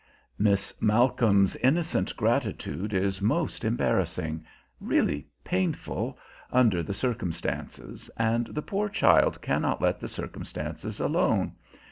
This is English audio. Miss Malcolm's innocent gratitude is most embarrassing, really painful, under the circumstances, and the poor child cannot let the circumstances alone.